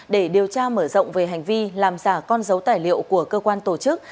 để điều tra mở rộng về hành vi làm giả con dấu tài liệu của cơ quan tổ chức